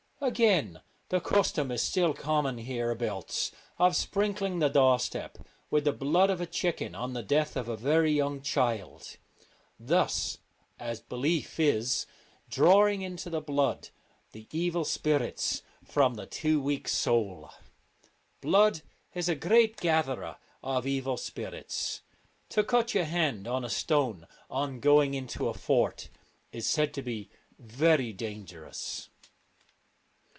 Again, the custom is still common here abouts of sprinkling the doorstep with the blood of a chicken on the death of a very young child, thus (as belief is) drawing into the blood the evil spirits from the too weak soul. Blood is a great gatherer of evil spirits. To cut your hand on a stone on going into a fort is said to be very dangerous.